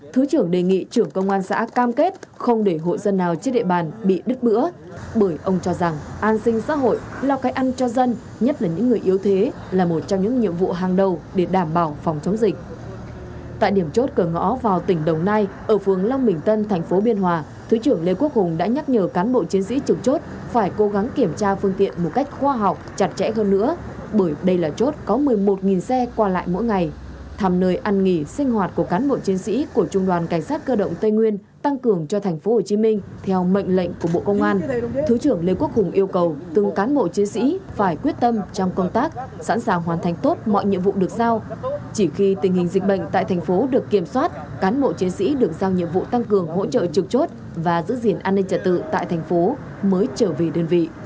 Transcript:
trong khi tình hình dịch bệnh tại thành phố được kiểm soát cán bộ chiến sĩ được giao nhiệm vụ tăng cường hỗ trợ trực chốt và giữ diện an ninh trả tự tại thành phố mới trở về đơn vị